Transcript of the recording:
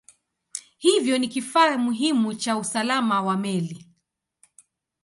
Hivyo ni kifaa muhimu cha usalama wa meli.